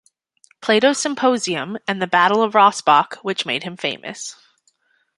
"Plato's Symposium" and the "Battle of Rossbach" which made him famous.